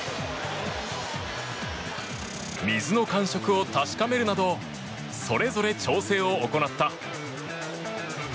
水の感触を確かめるなどそれぞれ調整を行った。